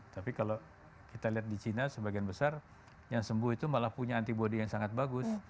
tapi kalau kita lihat di china sebagian besar yang sembuh itu malah punya antibody yang sangat bagus